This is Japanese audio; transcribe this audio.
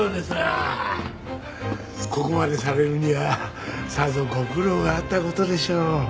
ここまでされるにはさぞご苦労があった事でしょう。